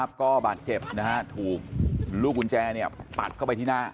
ข้ากล้อบตาเจ็บนะฮะถูกลูกคุลเจรนี้ปัดเข้าไปที่หน้า